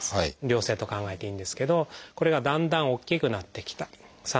良性と考えていいんですけどこれがだんだん大きくなってきた。